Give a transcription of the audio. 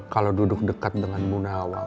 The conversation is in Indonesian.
kalau duduk dekat dengan bu nawang